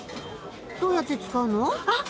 どうやって使うの？